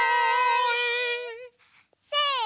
せの！